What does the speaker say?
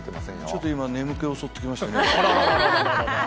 ちょっと今、眠気が襲ってきましたね。